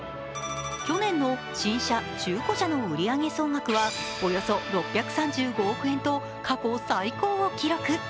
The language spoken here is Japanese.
去年の新車・中古車の売り上げ総額はおよそ６３５億円と過去最高を記録。